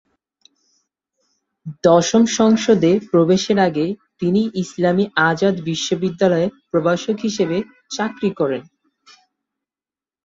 দশম সংসদে প্রবেশের আগে তিনি ইসলামী আজাদ বিশ্ববিদ্যালয়ে প্রভাষক হিসেবে চাকরি করেন।